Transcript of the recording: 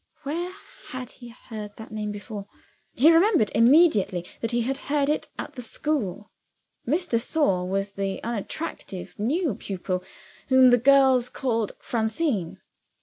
Where had he heard that name before? He remembered immediately that he had heard it at the school. Miss de Sor was the unattractive new pupil, whom the girls called Francine.